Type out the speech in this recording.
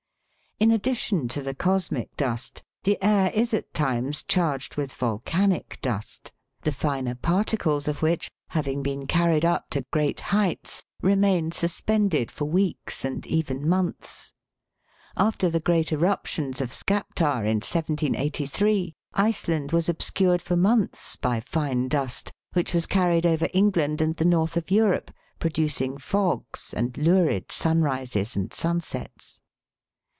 In addition to the cosmic dust, the air is at times charged with volcanic dust, the finer particles of which, * See Chap. vii. 12 THE WORLDS LUMBER ROOM. having been carried up to great heights, remain suspended for weeks, and even months. After the great eruptions of Skaptar, in 1783, Iceland was obscured for months by fine dust, which was carried over England and the north of Europe, producing fogs, and lurid sunrises and sunsets.